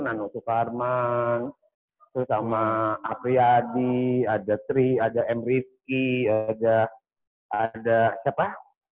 nano sukarman terus sama afriyadi ada tri ada em rizky ada siapa